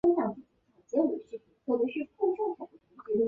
阿莱尔斯特是德国下萨克森州的一个市镇。